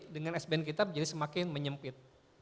dengan sbn kita menjadi semakin menyempit